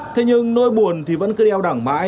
thế nhưng nỗi buồn thì vẫn cứ đeo đẳng mãi